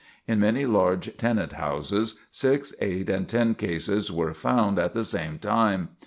In many large tenant houses, six, eight, and ten cases were found at the same time.